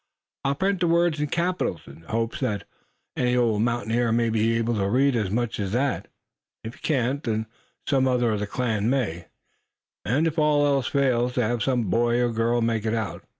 "I'll print the words in capitals, in the hopes that the old mountaineer may be able to read as much as that. If he can't, then some other of the clan may; and if all else fails, they'll have some boy or girl make it out.